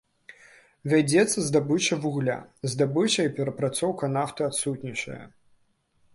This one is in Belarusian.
Вядзецца здабыча вугля, здабыча і перапрацоўка нафты адсутнічае.